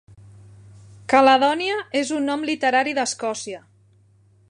Caledònia és un nom literari d'Escòcia.